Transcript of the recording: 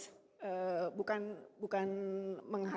dan kita nanti oktober kita akan simulasi ya